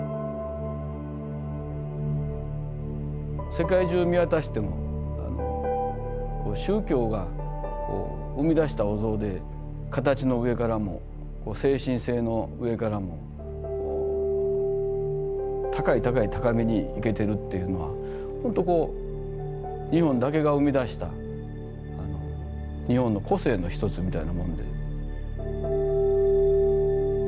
世界中見渡しても宗教が生み出したお像で形のうえからも精神性のうえからも高い高い高みにいけてるっていうのはほんとこう日本だけが生み出した日本の個性の一つみたいなもんで。